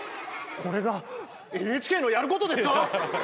これがＮＨＫのやることですか！？